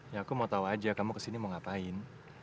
ya aku mau tahu aja kamu kesini mau ngapain